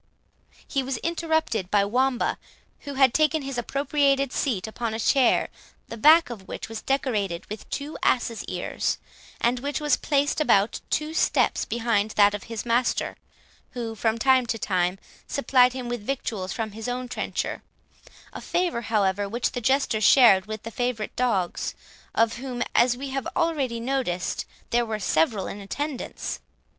He was interrupted by Wamba, who had taken his appropriated seat upon a chair, the back of which was decorated with two ass's ears, and which was placed about two steps behind that of his master, who, from time to time, supplied him with victuals from his own trencher; a favour, however, which the Jester shared with the favourite dogs, of whom, as we have already noticed, there were several in attendance.